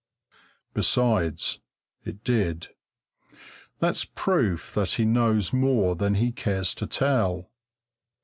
Besides, it did. That's proof that he knows more than he cares to tell.